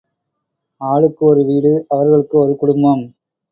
ஆளுக்கு ஒரு வீடு அவர்களுக்கு ஒரு குடும்பம்.